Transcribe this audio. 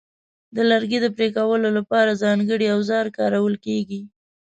د لرګي د پرې کولو لپاره ځانګړي اوزار کارول کېږي.